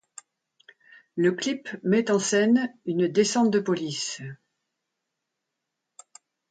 Le clip met en scène une descente de police.